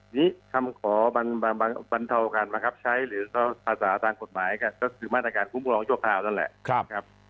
นี่คำขอบรรเทาการบังคับใช้หรือภาษาทางกฎหมายก็คือมาตรการคุ้มครองชั่วคราวนั่นแหละนะครับ